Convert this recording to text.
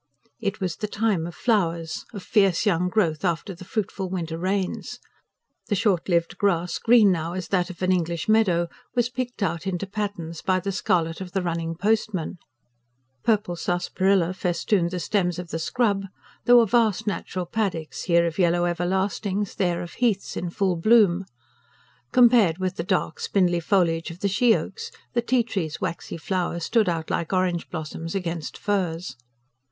It was the time of flowers of fierce young growth after the fruitful winter rains. The short lived grass, green now as that of an English meadow, was picked out into patterns by the scarlet of the Running Postman; purple sarsaparilla festooned the stems of the scrub; there were vast natural paddocks, here of yellow everlastings, there of heaths in full bloom. Compared with the dark, spindly foliage of the she oaks, the ti trees' waxy flowers stood out like orange blossoms against firs.